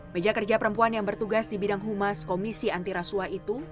meja kerja perempuan yang bertugas di bidang humas komisi antirasuah itu